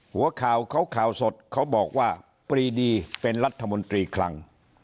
หัวข่าวเขาข่าวสดเขาบอกว่าปรีดีเป็นรัฐมนตรีคลัง